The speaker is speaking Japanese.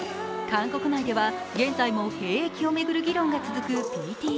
韓国内では現在も兵役を巡る議論が続くＢＴＳ。